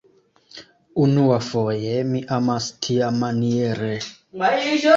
Unuafoje mi amas tiamaniere.